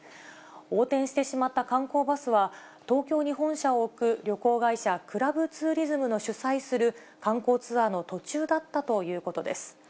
横転してしまった観光バスは、東京に本社を置く旅行会社、クラブツーリズムの主催する観光ツアーの途中だったということです。